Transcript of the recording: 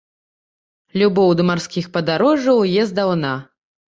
Любоў да марскіх падарожжаў у яе здаўна.